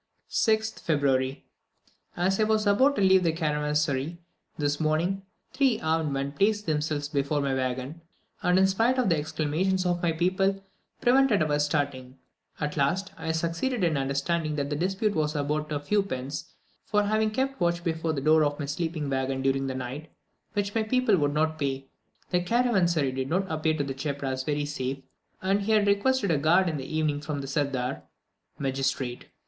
6th February. As I was about to leave the caravansary this morning, three armed men placed themselves before my waggon, and in spite of the exclamations of my people, prevented our starting. At last, I succeeded in understanding that the dispute was about a few pence, for having kept watch before the door of my sleeping room during the night, which my people would not pay. The caravansary did not appear to the cheprasse very safe, and he had requested a guard in the evening from the serdar (magistrate).